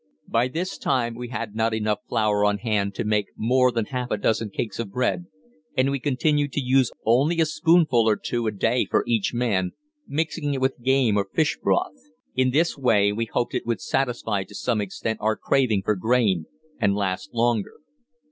By this time we had not enough flour on hand to make more than half a dozen cakes of bread, and we continued to use only a spoonful or two a day for each man, mixing it with game or fish broth; in this way we hoped it would satisfy to some extent our craving for grain, and last longer.